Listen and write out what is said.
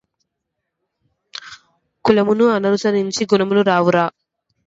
కులము ననుసరించి గుణములు రావురా